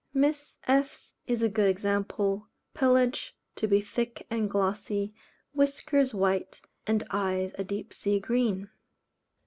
Miss F n's is a good example. Pelage to be thick and glossy, whiskers white, and eyes a deep sea green.